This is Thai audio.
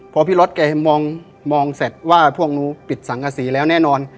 พอพี่ล็อตแกมองแสดว่าพวกนู้นปิดสังฆษีแล้วแน่นอน